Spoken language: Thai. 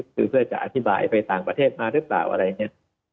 คือเพื่อจะอธิบายไปต่างประเทศมาหรือเปล่าอะไรอย่างนี้